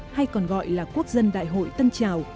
hay còn gọi là quốc dân đại hội tân trào